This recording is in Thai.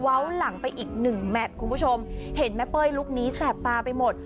หลังไปอีกหนึ่งแมทคุณผู้ชมเห็นแม่เป้ยลุคนี้แสบตาไปหมด